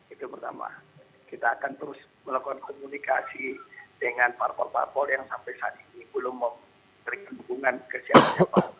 itu pertama kita akan terus melakukan komunikasi dengan parpol parpol yang sampai saat ini belum memberikan dukungan ke siapa siapa